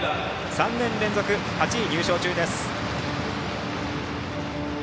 ３年連続８位入賞中です。